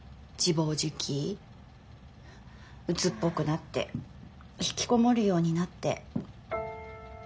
うつっぽくなってひきこもるようになって。